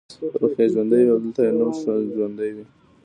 روح یې ژوندی وي او دلته یې نوم ژوندی وي.